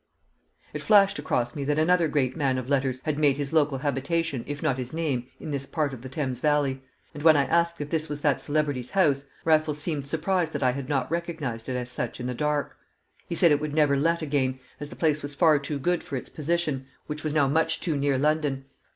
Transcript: It flashed across me that another great man of letters had made his local habitation if not his name in this part of the Thames Valley; and when I asked if this was that celebrity's house, Raffles seemed surprised that I had not recognised it as such in the dark. He said it would never let again, as the place was far too good for its position, which was now much too near London.